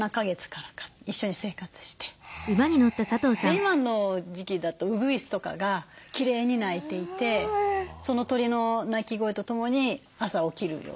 今の時期だとウグイスとかがきれいに鳴いていてその鳥の鳴き声とともに朝起きるような生活というか。